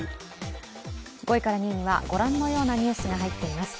５位から２位にはご覧のようなニュースが入っています。